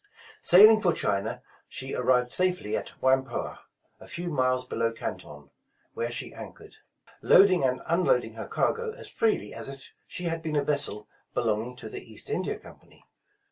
Sailing for China, she arrived safely at Whampoa, a few miles below Canton, where she anchored, "loading and unloading her cargo as freely as if she had been a vessel belonging to the East India Company.